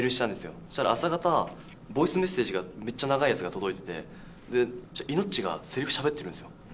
そしたら朝方、ボイスメッセージがめっちゃ長いやつが届いてて、イノッチがせりふしゃべってるんですよ。